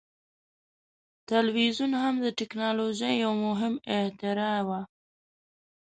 ټلویزیون هم د ټیکنالوژۍ یو مهم اختراع وه.